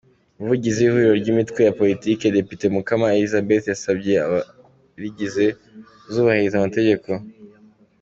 Umuvugizi w’Ihuriro ry’imitwe ya politike, Depite Mukamana Elizabeth, yasabye abarigize kuzubahiriza amategeko.